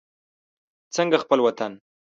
څنګه خپل وطن.